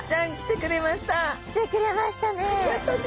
来てくれましたね。